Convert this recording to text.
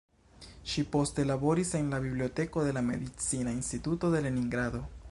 Ŝi poste laboris en la biblioteko de la Medicina Instituto de Leningrado.